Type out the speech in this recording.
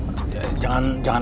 saya suka banget